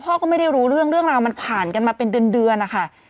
ก็ไม่ได้รู้เรื่องเรื่องราวมันผ่านกันมาเป็นเดือนนะคะ